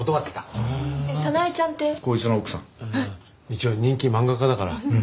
一応人気漫画家だから。